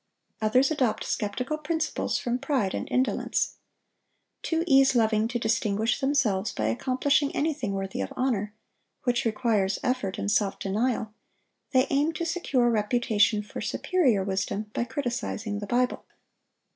Others adopt skeptical principles from pride and indolence. Too ease loving to distinguish themselves by accomplishing anything worthy of honor, which requires effort and self denial, they aim to secure a reputation for superior wisdom by criticising the Bible.